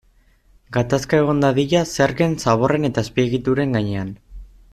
Gatazka egon dadila zergen, zaborren edo azpiegituren gainean.